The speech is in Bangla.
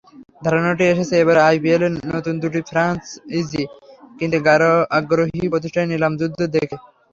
ধারণাটি এসেছে এবারের আইপিএলে নতুন দুটি ফ্র্যাঞ্চাইজি কিনতে আগ্রহী প্রতিষ্ঠানের নিলাম-যুদ্ধ দেখে।